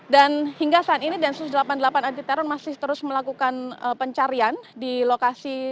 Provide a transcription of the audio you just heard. dan hingga saat ini densus delapan puluh delapan anti teror masih terus melakukan pencarian di lokasi